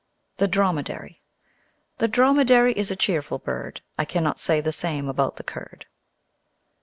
The Dromedary The Dromedary is a cheerful bird: I cannot say the same about the Kurd.